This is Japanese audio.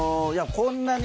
こんなに。